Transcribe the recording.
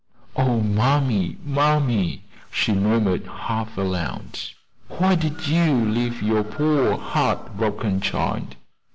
"Oh, mammy, mammy!" she murmured half aloud, "why did you leave your poor heart broken child?